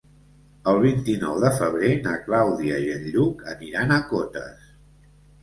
El vint-i-nou de febrer na Clàudia i en Lluc aniran a Cotes.